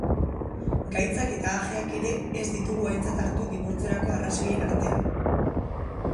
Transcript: Gaitzak eta ajeak ere ez ditugu aintzat hartu dibortziorako arrazoien artean.